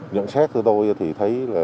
nhận xét của tôi thì thấy